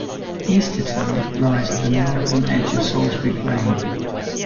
Easterton lies at the northern edge of Salisbury Plain.